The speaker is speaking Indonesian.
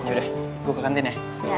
ya udah gue ke kantin ya